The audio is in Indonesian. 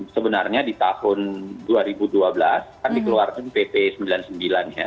sebenarnya di tahun dua ribu dua belas kan dikeluarkan pp sembilan puluh sembilan ya